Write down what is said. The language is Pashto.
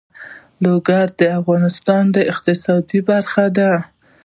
لوگر د افغانستان د اقتصاد برخه ده.